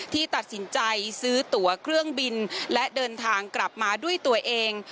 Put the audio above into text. ที่ตัดสินใจซื้อตัวเครื่องบินและเดินทางกลับมาด้วยตัวเอง